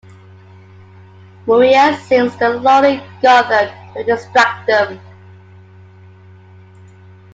Maria sings "The Lonely Goatherd" to distract them.